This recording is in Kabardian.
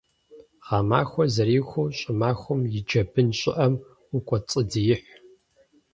Гъэмахуэр зэриухыу щӀымахуэм и джэбын щӀыӀэм укӀуэцӀодиихь.